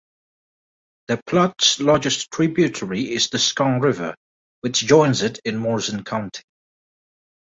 The Platte's largest tributary is the Skunk River, which joins it in Morrison County.